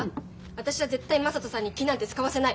私は絶対雅人さんに気なんて遣わせない。